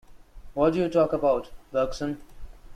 What'd you talk about — Bergson?